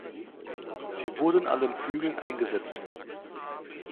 Sie wurden an den Flügeln eingesetzt.